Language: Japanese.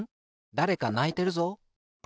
だれかないてるぞ。